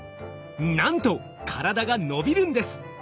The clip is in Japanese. なんと体が伸びるんです！